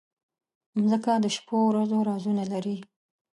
مځکه د شپو ورځو رازونه لري.